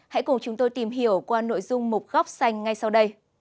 hãy cùng chúng tôi tìm hiểu qua nội dung một góc xanh ngay sau đây